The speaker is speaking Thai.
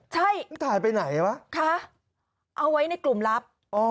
ใช่มึงถ่ายไปไหนวะคะเอาไว้ในกลุ่มลับ